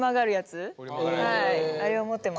あれを持ってます。